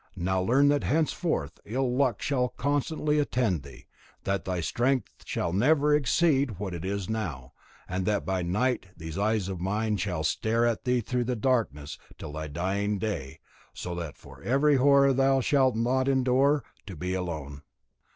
Now learn that henceforth ill luck shall constantly attend thee; that thy strength shall never exceed what it now is, and that by night these eyes of mine shall stare at thee through the darkness till thy dying day, so that for very horror thou shalt not endure to be alone."